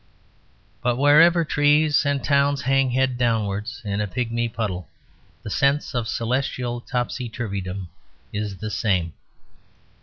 But wherever trees and towns hang head downwards in a pigmy puddle, the sense of Celestial topsy turvydom is the same.